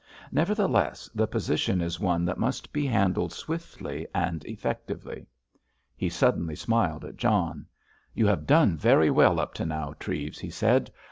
Nevertheless the position is one that must be handled swiftly and effectively." He suddenly smiled at John. "You have done very well up to now, Treves," he said.